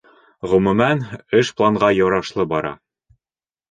Ғөмүмән, эш планға ярашлы бара.